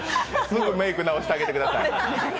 すぐメイク直して上げてください。